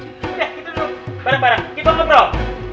udah kita duduk bareng bareng kita ngobrol